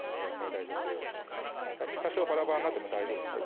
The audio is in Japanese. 大丈夫です多少バラバラになっても大丈夫です